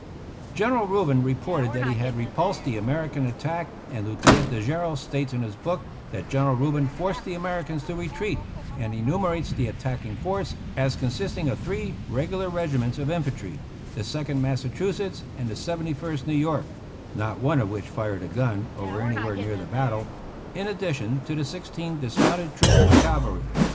THE ROUGH RIDERS states in his book that General Rubin forced the Americans to retreat, and enumerates the attack ing force as consisting of three regular regiments of infantry, the Second Massachusetts and the Seventy first New York (not one of which fired a gun or were anywhere near the battle), in ad dition to the sixteen dismounted troops of cav alry.